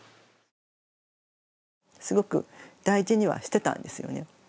すごく大事にはしてたんですよね。